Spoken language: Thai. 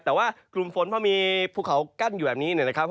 แต่ว่ากลุ่มฝนพอมีภูเขากั้นอยู่แบบนี้เนี่ยนะครับ